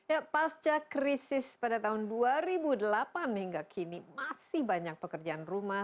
ya pasca krisis pada tahun dua ribu delapan hingga kini masih banyak pekerjaan rumah